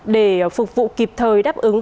để phục vụ kịp thời đáp ứng